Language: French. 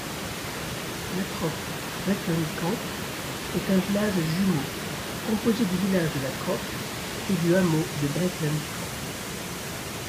Lattrop-Breklenkamp est un village-jumeau, composé du village de Lattrop et du hameau de Breklenkamp.